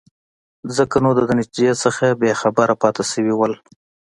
ځکه نو د نتیجې څخه بې خبره پاتې شوی وو.